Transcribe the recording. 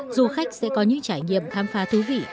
du khách sẽ có những trải nghiệm khám phá thú vị